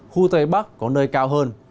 khu tây bắc có nơi cao hơn